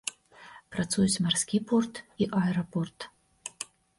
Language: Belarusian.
Працуюць марскі порт і аэрапорт.